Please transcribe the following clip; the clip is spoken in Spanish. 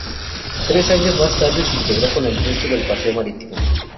Tres años más tarde se integró con el resto del paseo marítimo.